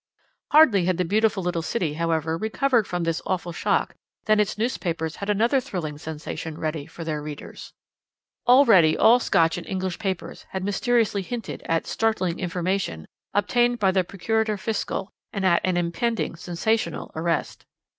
"Hardly had the beautiful little city, however, recovered from this awful shock, than its newspapers had another thrilling sensation ready for their readers. "Already all Scotch and English papers had mysteriously hinted at 'startling information' obtained by the Procurator Fiscal, and at an 'impending sensational arrest.'